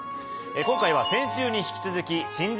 今回は先週に引き続き。